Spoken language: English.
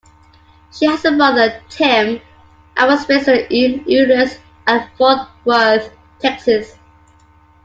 She has a brother, Tim, and was raised in Euless and Fort Worth, Texas.